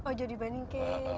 oh jodi banding kek